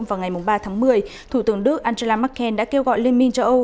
vào ngày ba tháng một mươi thủ tướng đức angela merkel đã kêu gọi liên minh châu âu